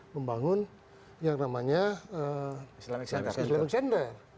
membangun yang namanya islam cender